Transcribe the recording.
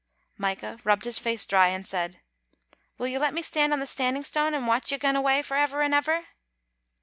Micah rubbed his face dry, and said, " Will you let me stand on the Standing Stane and watch you gaen awa for ever and ever?"